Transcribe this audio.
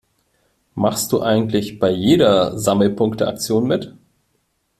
Machst du eigentlich bei jeder Sammelpunkte-Aktion mit?